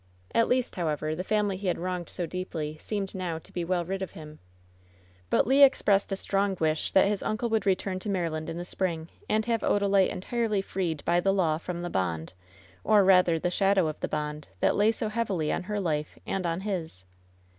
At least, however, the family he had wronged so deeply seemed now to be well rid of him. But Le expressed a strong wish that his uncle would return to Maryland in the spring and have Odalite entirely freed by the law from the bond, or rather, the shadow of the bond, that lay so heavily on her life, and on his.